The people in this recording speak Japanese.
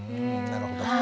なるほど。